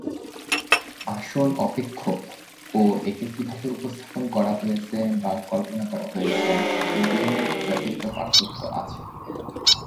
আসল "অপেক্ষক" ও একে কীভাবে উপস্থাপন করা হয়েছে বা কল্পনা করা হয়েছে, এ দুইয়ের মধ্যে যথেষ্ট পার্থক্য আছে।